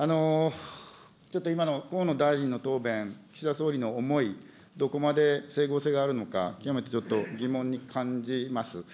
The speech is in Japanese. ちょっと今の河野大臣の答弁、岸田総理の思い、どこまで整合性があるのか、極めてちょっと疑問に感じます。